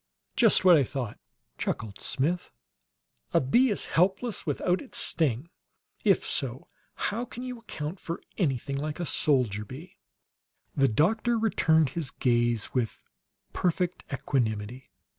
"Just what I thought!" chuckled Smith. "A bee is helpless without its sting! If so, how can you account for anything like a soldier bee?" The doctor returned his gaze with perfect equanimity.